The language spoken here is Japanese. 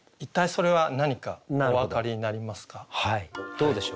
どうでしょう？